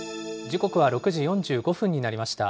時刻は６時４５分になりました。